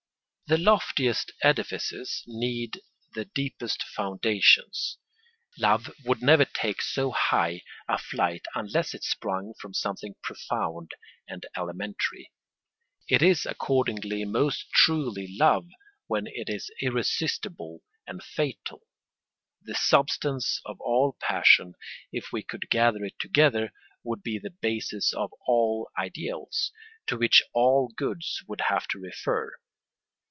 The loftiest edifices need the deepest foundations. Love would never take so high a flight unless it sprung from something profound and elementary. It is accordingly most truly love when it is irresistible and fatal. The substance of all passion, if we could gather it together, would be the basis of all ideals, to which all goods would have to refer.